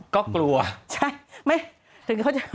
ก็กลัวจริงไหม